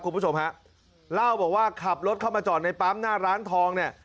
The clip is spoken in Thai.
คุณผู้ชมฮะเล่าบอกว่าขับรถเข้ามาจอดในปั๊มหน้าร้านทองเนี่ย